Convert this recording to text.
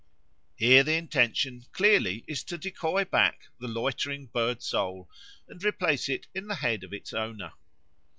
Here the intention clearly is to decoy back the loitering bird soul and replace it in the head of its owner.